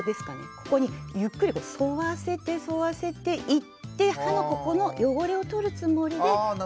ここにゆっくり沿わせて沿わせていって歯のここの汚れをとるつもりでくる。